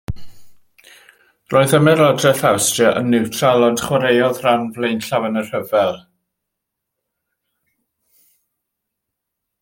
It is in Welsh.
Roedd Ymerodraeth Awstria yn niwtral, ond chwaraeodd ran flaenllaw yn y rhyfel.